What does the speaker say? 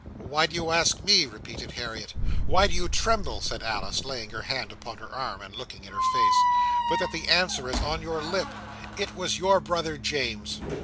"Why do you ask me?" repeated Harriet. "Why do you tremble?" said Alice, laying her hand upon her arm, and looking in her face, "but that the answer is on your lips! It was your brother James."